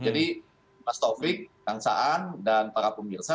jadi mas taufik kang saan dan para pemirsa